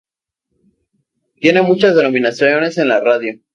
Tiene muchas denominaciones en la radio.